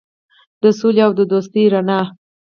د سولې او دوستۍ رڼا.